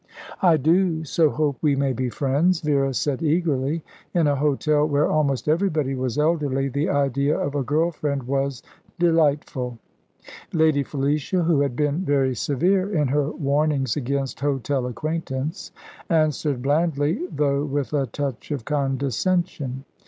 "I do so hope we may be friends," Vera said eagerly. In a hotel where almost everybody was elderly, the idea of a girl friend was delightful. Lady Felicia, who had been very severe in her warnings against hotel acquaintance, answered blandly, though with a touch of condescension.